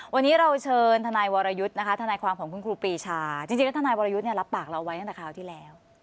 วันนี้เราเชิญทนายวรยุทธ์นะคะทนายความของคุณครูปีชาจริงแล้วทนายวรยุทธ์เนี่ยรับปากเราไว้ตั้งแต่คราวที่แล้ว